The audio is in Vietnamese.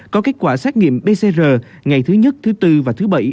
có kết quả xét nghiệm pcr ngày thứ nhất thứ tư và thứ bảy